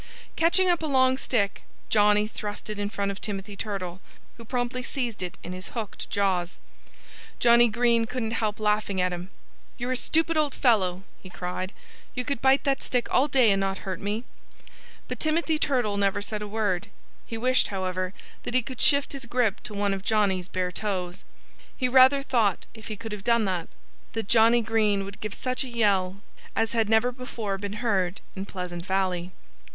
Catching up a long stick, Johnnie thrust it in front of Timothy Turtle, who promptly seized it in his hooked jaws. Johnnie Green couldn't help laughing at him. "You're a stupid old fellow!" he cried. "You could bite that stick all day and not hurt me." But Timothy Turtle said never a word. He wished, however, that he could shift his grip to one of Johnnie's bare toes. He rather thought, if he could have done that, that Johnnie Green would give such a yell as had never before been heard in Pleasant Valley.